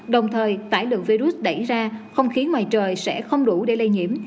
đồng thời tải lượng virus đẩy ra không khí ngoài trời sẽ không đủ để lây nhiễm